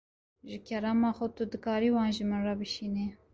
Ji kerema xwe tu dikarî wan ji min re bişînî.